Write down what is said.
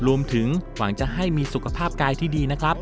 รวมถึงหวังจะให้มีสุขภาพกายที่ดีนะครับ